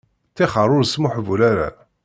Ṭixer ur smuhbul ara.